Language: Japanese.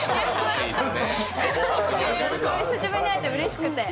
久しぶりに会えてうれしくて。